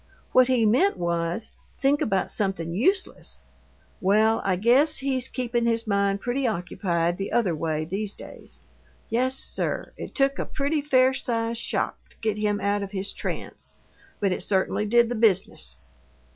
What he meant was, think about something useless. Well, I guess he's keepin' his mind pretty occupied the other way these days. Yes, sir, it took a pretty fair sized shock to get him out of his trance, but it certainly did the business."